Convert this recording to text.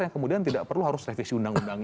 yang kemudian tidak perlu harus revisi undang undang